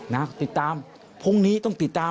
นะติดตามพรุ่งนี้ต้องติดตาม